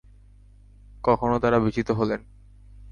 কখনো তারা বিজিত হলেন।